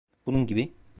Bunun gibi.